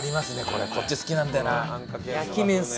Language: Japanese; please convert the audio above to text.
こっち好きなんだよな。